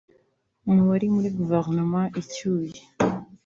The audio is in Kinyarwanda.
Mu bari muri Guverinoma icyuye